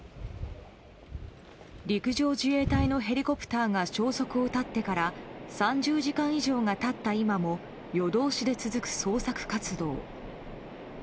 陸上自衛隊のヘリコプターが消息を絶ってから３０時間以上が経った今も夜通しで続く捜索活動。